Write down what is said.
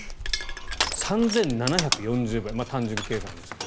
３７４０倍、単純計算ですが。